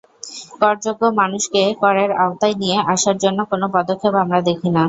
করযোগ্য মানুষকে করের আওতায় নিয়ে আসার জন্য কোনো পদক্ষেপ আমরা দেখি না।